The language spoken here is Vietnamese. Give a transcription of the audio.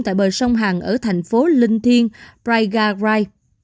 tại bờ sông hàn ở thành phố linh thiên praigarai